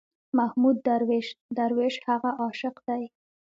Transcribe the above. محمود درویش، درویش هغه عاشق دی.